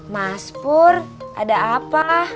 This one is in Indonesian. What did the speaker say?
mas pur ada apa